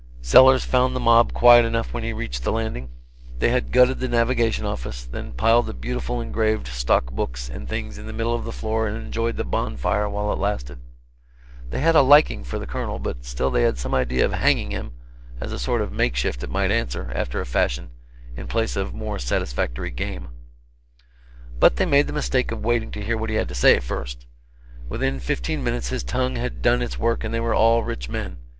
Sellers found the mob quiet enough when he reached the Landing. They had gutted the Navigation office, then piled the beautiful engraved stock books and things in the middle of the floor and enjoyed the bonfire while it lasted. They had a liking for the Colonel, but still they had some idea of hanging him, as a sort of make shift that might answer, after a fashion, in place of more satisfactory game. But they made the mistake of waiting to hear what he had to say first. Within fifteen minutes his tongue had done its work and they were all rich men.